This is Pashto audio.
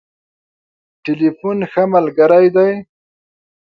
ټليفون ښه ملګری دی.